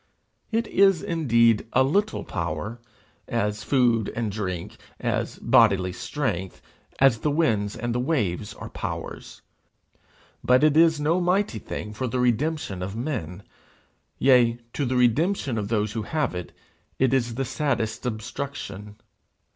It is indeed a little power, as food and drink, as bodily strength, as the winds and the waves are powers; but it is no mighty thing for the redemption of men; yea, to the redemption of those who have it, it is the saddest obstruction.